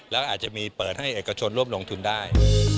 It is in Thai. แล้วอาจจะมีเปิดให้เอกชนร่วมลงทุนได้